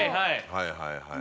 はいはいはい。